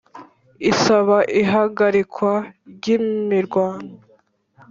isaba ihagarikwa ry' imirwano